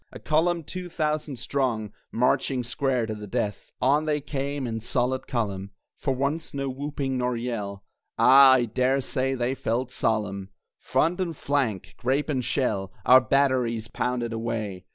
A column two thousand strong Marching square to the death! On they came in solid column, For once no whooping nor yell (Ah, I dare say they felt solemn!) Front and flank, grape and shell, Our batteries pounded away!